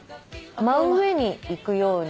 真上にいくように。